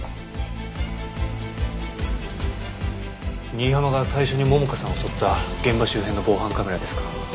新浜が最初に桃香さんを襲った現場周辺の防犯カメラですか。